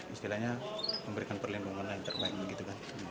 istilahnya memberikan perlindungan yang terbaik begitu kan